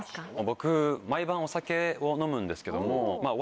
僕毎晩お酒を飲むんですけども。